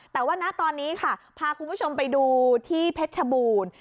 แต่ว่าณตอนนี้ค่ะพาคุณผู้ชมไปดูที่เพชรชบูรณ์